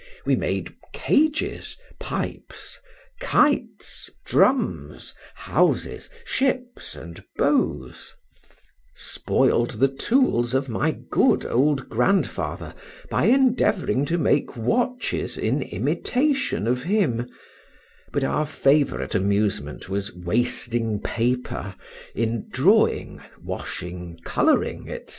We made cages, pipes, kites, drums, houses, ships, and bows; spoiled the tools of my good old grandfather by endeavoring to make watches in imitation of him; but our favorite amusement was wasting paper, in drawing, washing, coloring, etc.